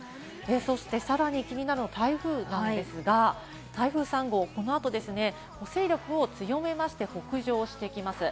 そして、さらに気になるのが台風ですが、台風３号、この後、勢力を強めまして北上してきます。